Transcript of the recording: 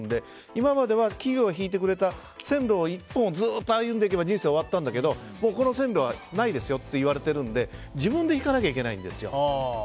今までは企業が引いてくれた線路を１本ずっと歩めば人生は終わったんだけどこの線路はないですよと言われているので自分でいかなきゃいけない。